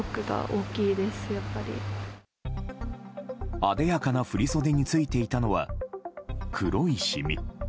あでやかな振り袖についていたのは、黒い染み。